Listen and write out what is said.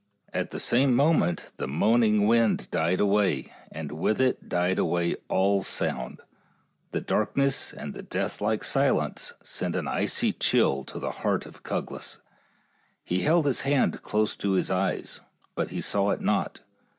At the same moment the moaning wind died away, and with it died away all sound. The darkness and the deathlike silence sent an icy chill to the heart of Cuglas. He held his hand close to his eyes, but he saw it not.